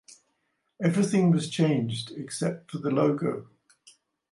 Everything was changed except for the logo.